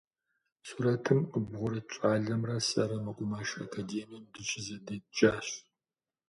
Сурэтым къыббгъурыт щӏалэмрэ сэрэ мэкъумэш академием дыщызэдеджащ.